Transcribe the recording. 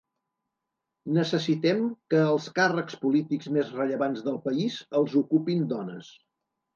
Necessitem que els càrrecs polítics més rellevants del país els ocupin dones.